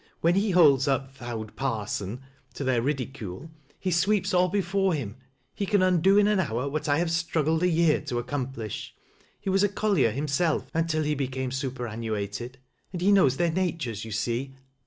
When he holds up ' Th° iiwd parson 'to their ridicule, he sweeps all before him [le can undc in an hour what I have struggled a year tc, accomplish. He was a collier himself until he became siperaruuatod, and he knows their natures, you see."